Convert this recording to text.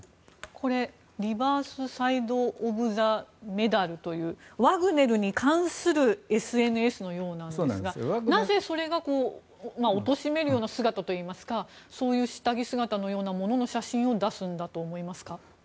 これリバース・サイド・オブ・ザ・メダルというワグネルに関するＳＮＳのようなんですがなぜ、それが貶めるような姿というかそういう下着姿のような写真を出すんだと思いますか？